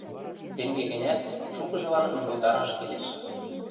Тенге гӹнят шукыжылан ынгылдараш келеш.